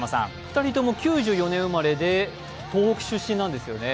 ２人とも９４年生まれで東北出身なんですよね。